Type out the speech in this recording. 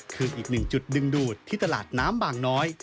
คืออีกหนึ่งจุดดึงดูดที่ตลาดน้ำบางน้อย